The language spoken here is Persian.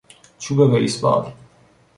چوب بیسبال